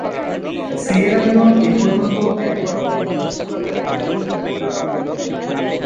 Sierra Leone এপর্যন্ত একবারও FIFA বিশ্বকাপে অংশগ্রহণ করতে পারেনি।